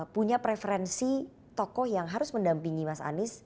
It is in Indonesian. punya preferensi tokoh yang harus mendampingi mas anies